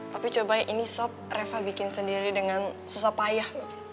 tapi coba ini sop reva bikin sendiri dengan susah payah